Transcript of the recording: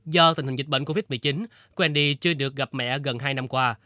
do tình hình dịch bệnh covid một mươi chín quenddy chưa được gặp mẹ gần hai năm qua